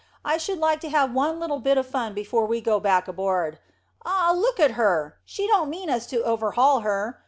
"I should like to have one little bit o' fun before we go back aboard. Ah, look at her! She don't mean us to overhaul her.